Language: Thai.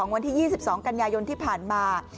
วันที่๒๒กันยายนที่ผ่านมา